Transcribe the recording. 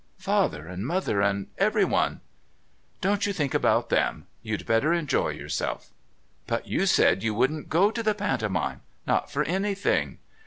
"Father and Mother and everyone." "Don't you think about them. You'd better enjoy yourself." "But you said you wouldn't go to the Pantomime not for anything?"